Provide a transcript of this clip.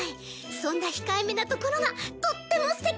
そんな控えめなところがとっても素敵！